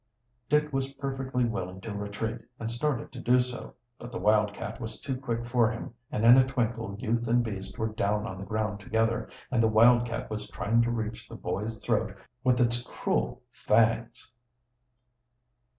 Dick was perfectly willing to retreat, and started to do so. But the wildcat was too quick for him, and in a twinkle youth and beast were down on the ground together, and the wildcat was trying to reach the boy's throat with its cruel fangs!